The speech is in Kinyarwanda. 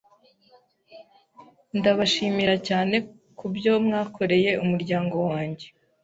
Ndabashimira cyane kubyo mwakoreye umuryango wanjye.